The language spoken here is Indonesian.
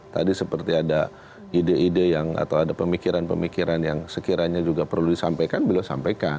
tadi seperti ada ide ide yang atau ada pemikiran pemikiran yang sekiranya juga perlu disampaikan beliau sampaikan